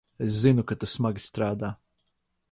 Es zinu, ka tu smagi strādā.